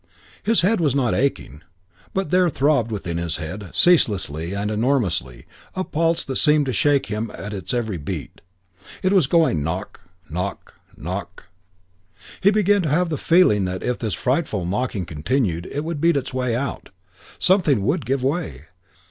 His head was not aching; but there throbbed within his head, ceaselessly and enormously, a pulse that seemed to shake him at its every beat. It was going knock, knock, knock! He began to have the feeling that if this frightful knocking continued it would beat its way out. Something would give way.